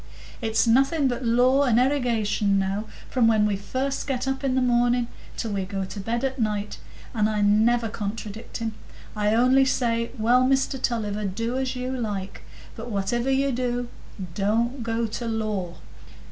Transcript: It's nothing but law and erigation now, from when we first get up in the morning till we go to bed at night; and I never contradict him; I only say, 'Well, Mr Tulliver, do as you like; but whativer you do, don't go to law."